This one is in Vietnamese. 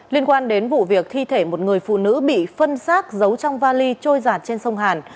liên quan đến vụ việc thi thể một người phụ nữ bị phân xác giấu trong vali trôi giạt trên sông hàn